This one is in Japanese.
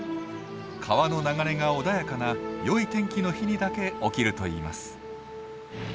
川の流れが穏やかなよい天気の日にだけ起きるといいます。